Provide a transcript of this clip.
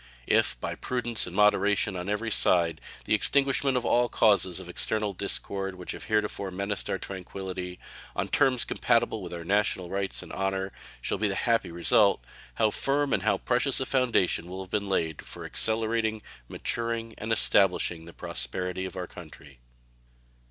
If by prudence and moderation on every side the extinguishment of all the causes of external discord which have heretofore menaced our tranquillity, on terms compatible with our national rights and honor, shall be the happy result, how firm and how precious a foundation will have been laid for accelerating, maturing, and establishing the prosperity of our country.